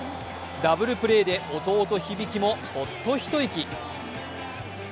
ダブルプレーで弟・響もホッと一息。